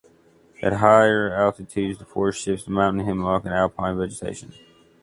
At higher altitudes the forest shifts to mountain hemlock and alpine vegetation.